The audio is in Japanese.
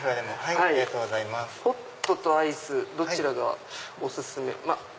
ホットとアイスどちらがお薦め。